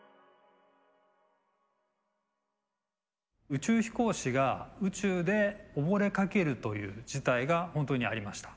宇宙飛行士が宇宙で溺れかけるという事態が本当にありました。